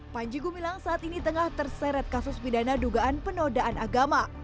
panji gumilang saat ini tengah terseret kasus pidana dugaan penodaan agama